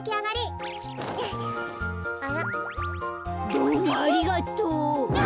どうもありがとう。わ！